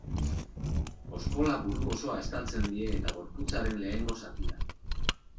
Oskola buru osoa estaltzen die eta gorputzaren lehengo zatia.